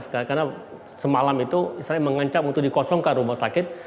karena semalam itu israel mengancam untuk dikosongkan rumah sakit